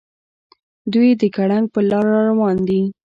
دوي د ګړنګ پر لار راروان دي.